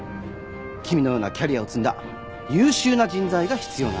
君のようなキャリアを積んだ優秀な人材が必要なんです。